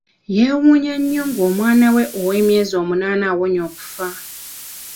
Yeewuunya nnyo ng'omwana we ow'emyezi omunaana awonye okufa.